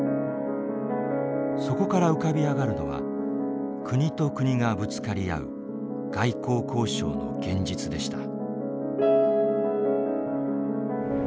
そこから浮かび上がるのは国と国がぶつかり合う外交交渉の現実でした。